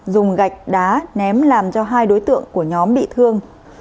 dùng gạch đá ném làm cho hai đối tượng của nhóm bị thương